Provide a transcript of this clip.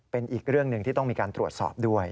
เป็นอีกเรื่องหนึ่งที่ต้องมีการตรวจสอบด้วย